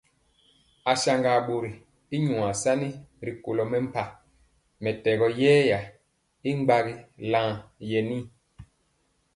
Asaŋga bori y nyuasani ri kolo mempah mɛtɛgɔ yɛya y gbagi lan yenir.